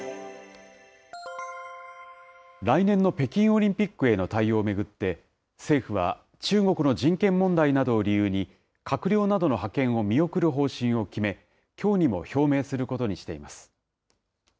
来年の北京オリンピックへの対応を巡って、政府は、中国の人権問題などを理由に、閣僚などの派遣を見送る方針を決め、きょうにも表明することにしています。